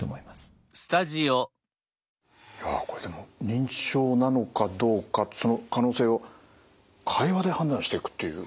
認知症なのかどうかその可能性を会話で判断していくっていう。